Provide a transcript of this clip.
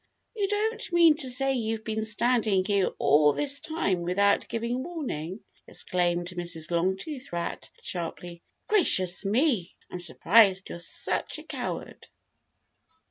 "You don't mean to say you've been standing here all this time without giving warning?" exclaimed Mrs. Longtooth Rat sharply. "Gracious me, I'm surprised you're such a coward."